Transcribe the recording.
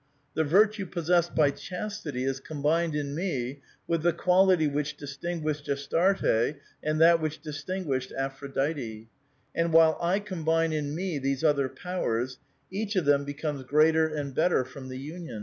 The virtue possessed by 'Chastit}'' is combined in me with the quality which distinguished Astarte and that which distinguished Apin*oditc. And while I combine in me these other powers, each of them becomes greater and better from the union.